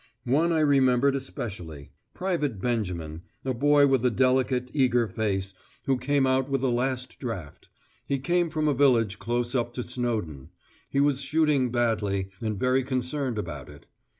One I remembered especially. Private Benjamin, a boy with a delicate eager face, who came out with the last draft: he came from a village close up to Snowdon; he was shooting badly, and very concerned about it.